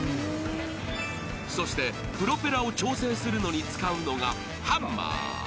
そして、プロペラを調整するのに使うのがハンマー。